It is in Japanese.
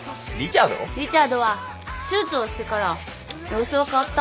リチャードは手術をしてから様子が変わった。